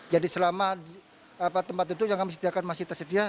jadi selama tempat duduk yang kami sediakan masih tersedia